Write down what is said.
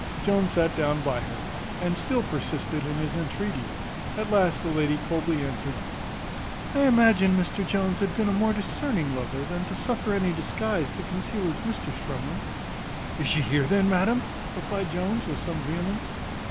Jones sat down by her, and still persisted in his entreaties; at last the lady coldly answered, "I imagined Mr Jones had been a more discerning lover, than to suffer any disguise to conceal his mistress from him." "Is she here, then, madam?" replied Jones, with some vehemence.